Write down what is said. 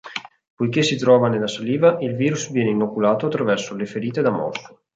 Poiché si trova nella saliva, il virus viene inoculato attraverso le ferite da morso.